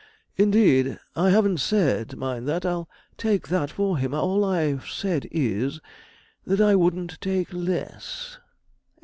Indeed, I haven't said, mind that, I'll take that for him; all I've said is, that I wouldn't take less.'